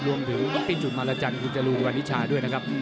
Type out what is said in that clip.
รวมถึงพี่จุดมารจันทร์คุณจรูวันนิชาด้วยนะครับ